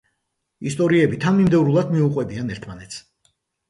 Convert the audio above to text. ისტორიები თანმიმდევრულად მიუყვებიან ერთმანეთს.